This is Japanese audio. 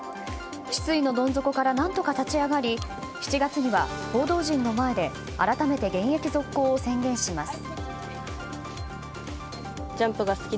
失意のどん底から何とか立ち上がり７月には、報道陣の前で改めて現役続行を宣言します。